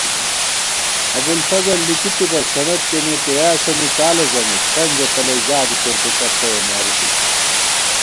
ابُوالفضل لِکی تِبہ سند کېنےتریاسِیَنی کالہ ژمېس * پنجہ تلَئ ژا بِتېن تُوکتّیَہ مارِتِسہ